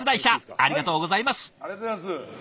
ありがとうございます！